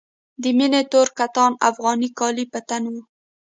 د مينې تور کتان افغاني کالي په تن وو.